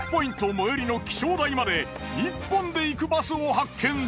最寄りの気象台まで１本で行くバスを発見。